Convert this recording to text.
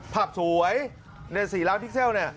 ภาพสวยใน๔ล้านพิกเซล